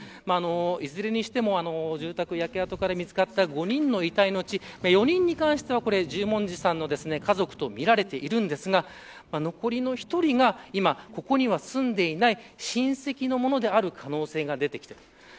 いずれにしても住宅焼け跡から見つかった５人の遺体のうち４人に関しては十文字さんの家族とみられていますが残りの１人が今ここに住んでいない親戚のものである可能性が出てきた。